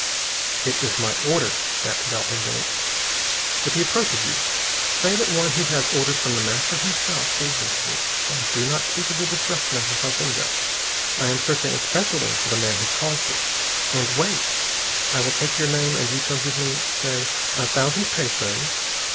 "It is my order," snapped Bell angrily. "If he reproaches you, say that one who has orders from The Master himself gave them to you. And do not speak of the destruction of the fazenda. I am searching especially for the man who caused it. And wait! I will take your name, and you shall give me say a thousand pesos.